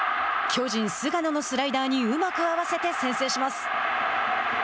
巨人菅野のスライダーにうまく合わせて先制します。